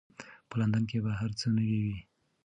په لندن کې به هر څه نوي وي.